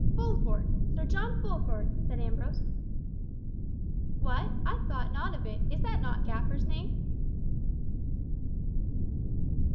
"Fulford—Sir John Fulford" said Ambrose. "What? I thought not of it, is not that Gaffer's name?"